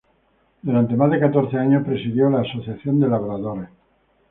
Durante más de catorce años presidió la Asociación de Labradores.